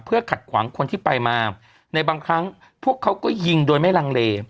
ขัดขวางคนที่ไปมาในบางครั้งพวกเขาก็ยิงโดยไม่ลังเล